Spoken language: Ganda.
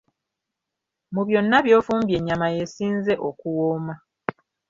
Mu byonna by'ofumbye ennyama y'esinze okuwooma.